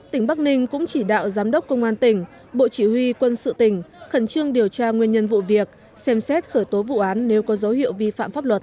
tỉnh bắc ninh cũng chỉ đạo giám đốc công an tỉnh bộ chỉ huy quân sự tỉnh khẩn trương điều tra nguyên nhân vụ việc xem xét khởi tố vụ án nếu có dấu hiệu vi phạm pháp luật